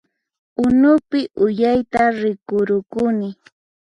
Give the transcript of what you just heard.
Unupi uyayta rikurukuni